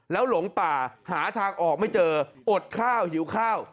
แล้วหลงป่าหาทางออกไม่เจออดข้าวหิวข้าว